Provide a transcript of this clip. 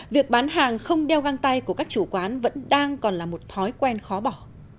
việc bán hàng không đeo găng tay của các chủ quán vẫn đang còn là một thói quen khó bỏ